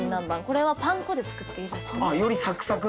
これはパン粉で作っているらしく。